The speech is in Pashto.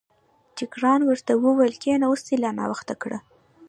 جګړن ورته وویل کېنه، اوس دې لا ناوخته کړ.